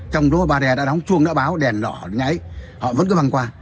trong đó bariê đã đóng chuông đã báo đèn lỏ nháy họ vẫn cứ băng qua